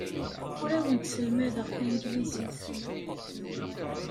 Ur awent-sselmadeɣ tanglizit.